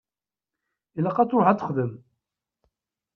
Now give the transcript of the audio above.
Ilaq ad truḥ ad texdem.